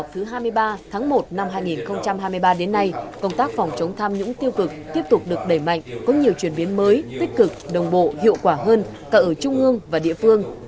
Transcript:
từ hai mươi ba tháng một năm hai nghìn hai mươi ba đến nay công tác phòng chống tham nhũng tiêu cực tiếp tục được đẩy mạnh có nhiều chuyển biến mới tích cực đồng bộ hiệu quả hơn cả ở trung ương và địa phương